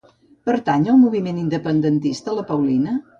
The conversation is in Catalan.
Pertany al moviment independentista la Paulina?